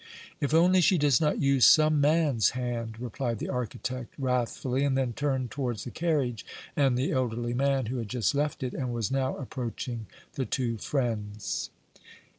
"If only she does not use some man's hand," replied the architect wrathfully, and then turned towards the carriage and the elderly man who had just left it, and was now approaching the two friends.